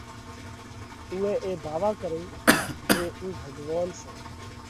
اُوئي اي ڌاوا ڪرئي جي اُو ڀڳوونَ سئہ۔